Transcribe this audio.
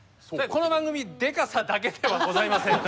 この番組でかさだけではございません。